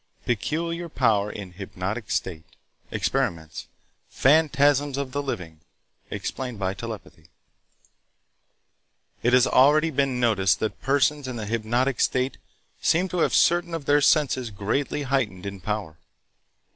—Peculiar Power in Hypnotic State.—Experiments.—"Phantasms of the Living" Explained by Telepathy It has already been noticed that persons in the hypnotic state seem to have certain of their senses greatly heightened in power.